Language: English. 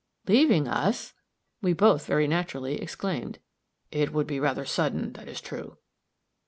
"Leaving us!" we both very naturally exclaimed. "It would be rather sudden, that is true."